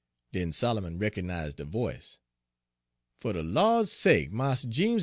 "Den Solomon reco'nized de voice. " 'Fer de Lawd's sake, Mars Jeems!